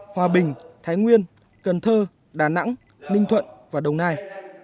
hòa bình thái nguyên cần thơ đà nẵng ninh thuận và đồng nai